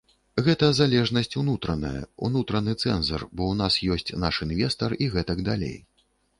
Гэта залежнасць унутраная, унутраны цэнзар, бо ў нас ёсць наш інвестар і гэтак далей.